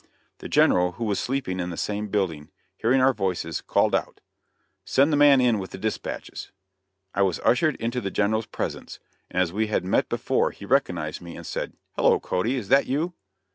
The General, who was sleeping in the same building, hearing our voices, called out, "Send the man in with the dispatches." I was ushered into the General's presence, and as we had met before he recognized me and said: "Hello, Cody, is that you?"